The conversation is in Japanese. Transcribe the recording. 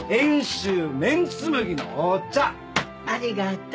ありがとう。